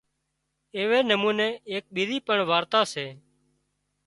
ايوي نموني اِيڪ ٻيزي پڻ وارتا سي